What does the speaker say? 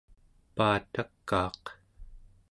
paatakaaq